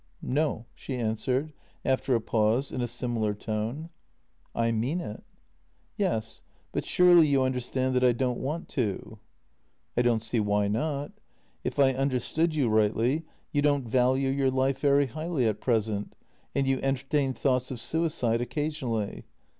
" No," she answered after a pause, in a similar tone. " I mean it." " Yes, but surely you understand that I don't want to." " I don't see why not. If I understood you rightly, you don't value your life very highly at present, and you entertain thoughts of suicide occasionally.